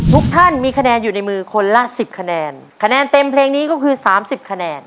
ทุกท่านมีคะแนนอยู่ในมือคนละ๑๐คะแนนคะแนนเต็มเพลงนี้ก็คือ๓๐คะแนน